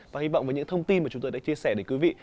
và hy vọng với những thông tin mà chúng tôi đã chia sẻ đến quý vị